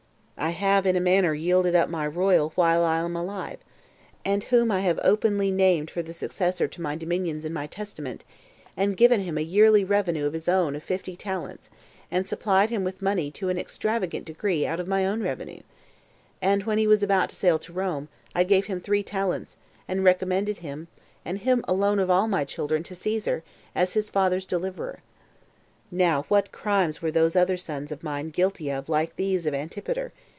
to I have, in a manner, yielded up my royal while I am alive, and whom I have openly named for the successor to my dominions in my testament, and given him a yearly revenue of his own of fifty talents, and supplied him with money to an extravagant degree out of my own revenue; and' when he was about to sail to Rome, I gave him three talents, and recommended him, and him alone of all my children, to Caesar, as his father's deliverer. Now what crimes were those other sons of mine guilty of like these of Antipater?